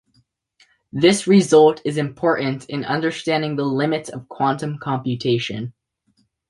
This result is important in understanding the limits of quantum computation.